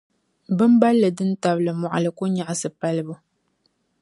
Bimbali din tabili mɔɣili ku yaɣisi palibu.